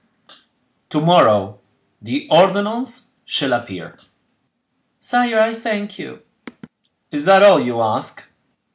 "To morrow the ordonnance shall appear." "Sire, I thank you." "Is that all you ask?"